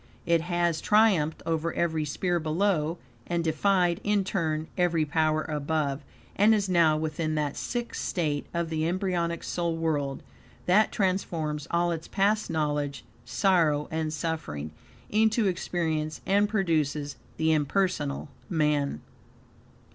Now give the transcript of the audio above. It has triumphed over every sphere below, and defied, in turn, every power above, and is now within that sixth state of the embryonic soul world that transforms all its past knowledge, sorrow, and suffering, into experience; and produces the impersonal man.